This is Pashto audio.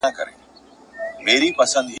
ما خو دي د پله خاوري رنجو لره ساتلي وې !.